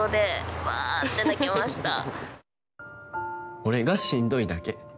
俺がしんどいだけ。